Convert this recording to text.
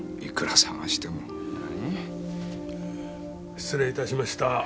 失礼致しました。